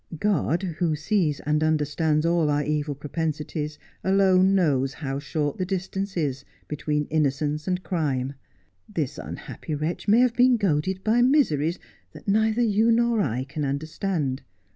' God who sees and understands all our evil propensities alone knows how short the distance is between innocence and crime. This unhappy wretch may have been goaded by miseries that neither you nor I can understand.